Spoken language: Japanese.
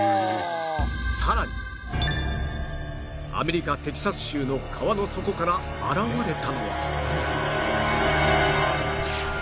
さらにアメリカテキサス州の川の底から現れたのは